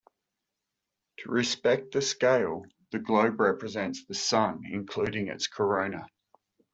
To respect the scale, the globe represents the Sun including its corona.